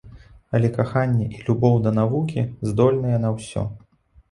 Але каханне і любоў да навукі здольныя на ўсё.